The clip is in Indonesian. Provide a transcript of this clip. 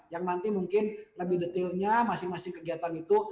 yang nanti mungkin lebih detailnya masing masing kegiatan itu